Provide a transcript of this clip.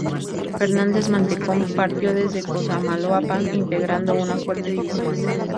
Fernández Mantecón partió desde Cosamaloapan, integrando una fuerte división.